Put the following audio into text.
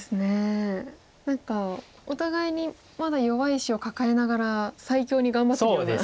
何かお互いにまだ弱い石を抱えながら最強に頑張ってるような。